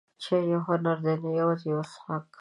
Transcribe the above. چای یو هنر دی، نه یوازې یو څښاک.